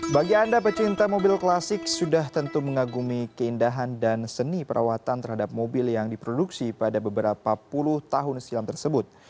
bagi anda pecinta mobil klasik sudah tentu mengagumi keindahan dan seni perawatan terhadap mobil yang diproduksi pada beberapa puluh tahun silam tersebut